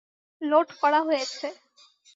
Load করা হয়েছে।